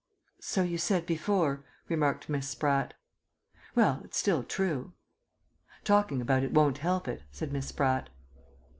"So you said before," remarked Miss Spratt. "Well, it's still true." "Talking about it won't help it," said Miss Spratt.